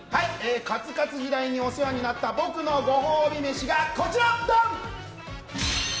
カツカツ時代にお世話になった僕のご褒美飯がこちら！